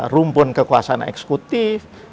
rumpun kekuasaan eksekutif